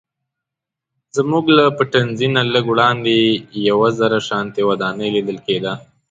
زموږ له پټنځي نه لږ وړاندې یوه زړه شانتې ودانۍ لیدل کیده.